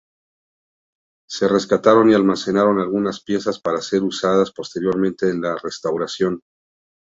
Se rescataron y almacenaron algunas piezas para ser usadas posteriormente en la restauración.